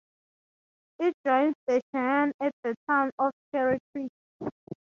It joins the Cheyenne at the town of Cherry Creek.